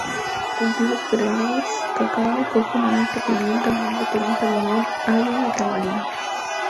Cultivos perennes: cacao, coco, naranja, pimienta, mango, toronja, limón agrio y tamarindo.